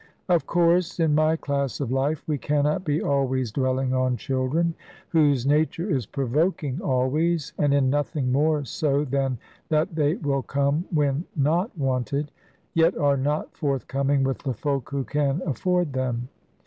Of course, in my class of life, we cannot be always dwelling on children; whose nature is provoking always, and in nothing more so than that they will come when not wanted; yet are not forthcoming with the folk who can afford them.